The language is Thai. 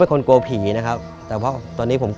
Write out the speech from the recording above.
รายการต่อไปนี้เป็นรายการทั่วไปสามารถรับชมได้ทุกวัย